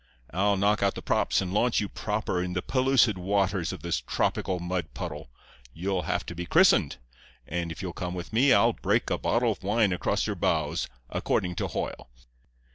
I'll knock out the props and launch you proper in the pellucid waters of this tropical mud puddle. You'll have to be christened, and if you'll come with me I'll break a bottle of wine across your bows, according to Hoyle.